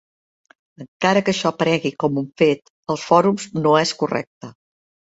Encara que això aparegui con un "fet" als fòrums no és correcte.